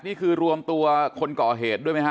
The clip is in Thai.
นี่คือรวมตัวคนก่อเหตุด้วยไหมฮ